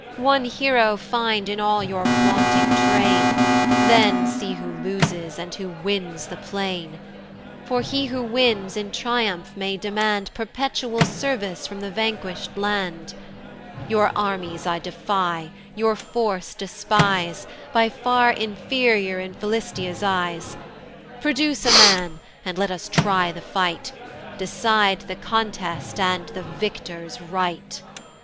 "One hero find in all your vaunting train, "Then see who loses, and who wins the plain; "For he who wins, in triumph may demand "Perpetual service from the vanquish'd land: "Your armies I defy, your force despise, "By far inferior in Philistia's eyes: "Produce a man, and let us try the fight, "Decide the contest, and the victor's right."